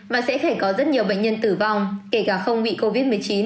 và sẽ phải có rất nhiều bệnh nhân tử vong kể cả không bị covid một mươi chín